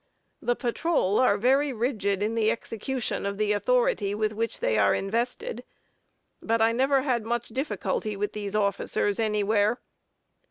The patrol are very rigid in the execution of the authority with which they are invested; but I never had much difficulty with these officers anywhere.